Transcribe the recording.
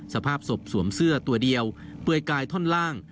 สภาพศพสวมเสื้อตัวเดียวเปลือยกายท่อนล่าง